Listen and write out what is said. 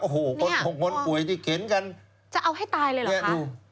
โอ้โฮคนป่วยที่เข็นกันจะเอาให้ตายเลยเหรอคะ